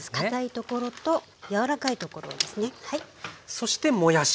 そしてもやし。